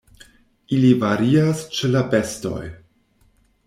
Ili varias ĉe la bestoj.